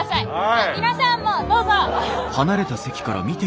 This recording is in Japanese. あっ皆さんもどうぞ。